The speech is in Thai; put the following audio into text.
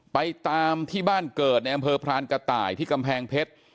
ไปตามที่บ้านเกิดในอำเภอพรานกระต่ายที่กำแพงเพชร